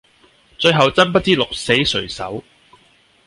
最後真不知鹿死誰手